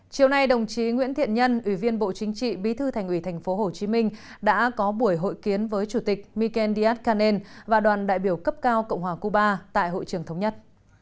chiều nay đồng chí nguyễn thiện nhân ủy viên bộ chính trị bí thư thành ủy tp hcm đã có buổi hội kiến với chủ tịch mikel díaz canel và đoàn đại biểu cấp cao cộng hòa cuba tại hội trường thống nhất